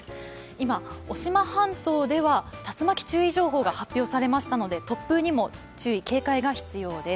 今、渡島半島では竜巻注意情報が発表されましたので突風にも注意・警戒が必要です。